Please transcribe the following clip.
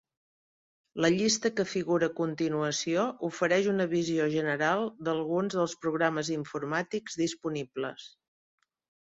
La llista que figura a continuació ofereix una visió general d'alguns dels programes informàtics disponibles.